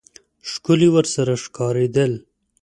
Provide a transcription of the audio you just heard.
ښکلي ورسره ښکارېدل.